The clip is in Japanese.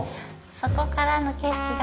そこからの景色が最高で。